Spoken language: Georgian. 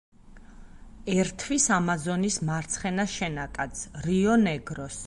ერთვის ამაზონის მარცხენა შენაკადს რიო-ნეგროს.